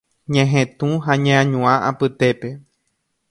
ñehetũ ha ñeañuã apytépe.